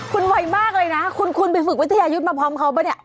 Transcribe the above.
คุณไวมากเลยนะคุณไปฝึกวิทยายุทธ์มาพร้อมเขาป่ะเนี่ย